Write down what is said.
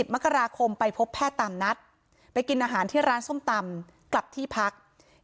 มกราคมไปพบแพทย์ตามนัดไปกินอาหารที่ร้านส้มตำกลับที่พัก